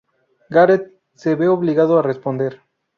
Gareth se ve obligado a responder.